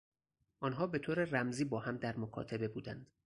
آنها به طور رمزی با هم در مکاتبه بودند.